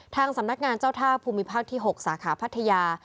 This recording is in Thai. ทางสำนักงานเจ้าท่าภูมิภาคที่๖สาขาพัทยา